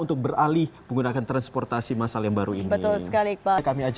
untuk beralih menggunakan transportasi masal yang baru ini